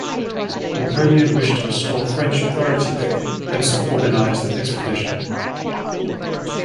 Napoleon wished to restore French authority there, and so organized an expedition.